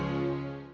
siapa yang kagak kesel